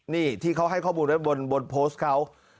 นี่ที่เขาให้ข้อมูลไว้บนโพสต์เขา